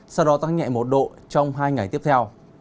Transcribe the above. sau đó tăng nhẹ một độ trong hai ngày tiếp theo